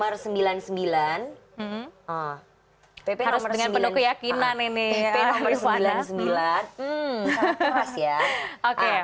harus dengan penuh keyakinan ini